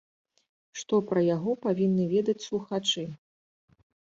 Што пра яго павінны ведаць слухачы?